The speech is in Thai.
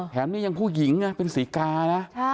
แถมนี้ยังผู้หญิงเป็นศรีกานะ